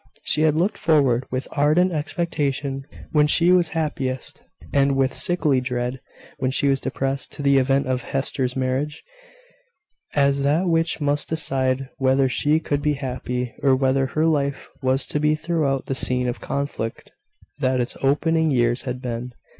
She had looked forward, with ardent expectation when she was happiest, and with sickly dread when she was depressed, to the event of Hester's marriage, as that which must decide whether she could be happy, or whether her life was to be throughout the scene of conflict that its opening years had been.